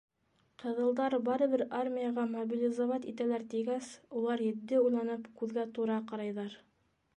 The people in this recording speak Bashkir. — Ҡыҙылдар барыбер армияға мобилизовать итәләр, — тигәс, улар етди уйланып күҙгә тура ҡарайҙар: